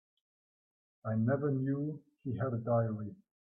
I never knew he had a diary.